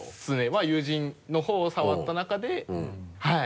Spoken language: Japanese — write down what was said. まぁ友人の方を触った中ではい。